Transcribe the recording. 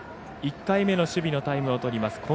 １回目の守備のタイムをとります。